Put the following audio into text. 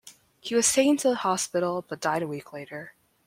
He was taken to hospital but died a week later.